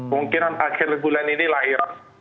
mungkin akhir bulan ini lahiran